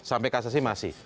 sampai kasasi masih